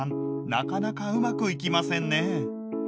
なかなかうまくいきませんね。